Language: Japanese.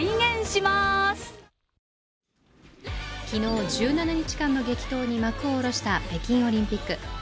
昨日、１７日間の激闘に幕を下ろした北京オリンピック。